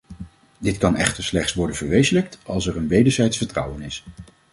Dit kan echter slechts worden verwezenlijkt als er een wederzijds vertrouwen is.